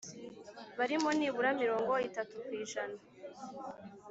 Barimo nibura mirongo itatu ku ijana